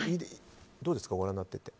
どうですか、ご覧になっていて。